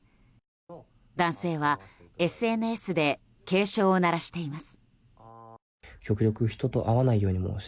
男性はＳＮＳで警鐘を鳴らしています。